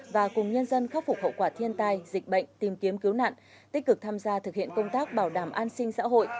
và cùng nhân dân khắc phục hậu quả thiên tai dịch bệnh tìm kiếm cứu nạn tích cực tham gia thực hiện công tác bảo đảm an sinh xã hội